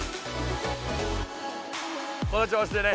この調子でね！